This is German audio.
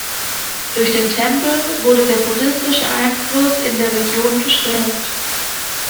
Durch den Tempel wurde der buddhistische Einfluss in der Region gestärkt.